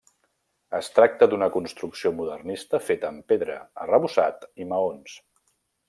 Es tracta d'una construcció modernista feta amb pedra, arrebossat i maons.